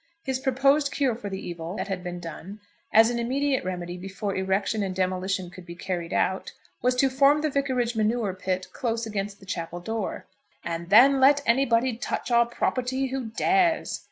His proposed cure for the evil that had been done, as an immediate remedy before erection and demolition could be carried out, was to form the vicarage manure pit close against the chapel door, "and then let anybody touch our property who dares!"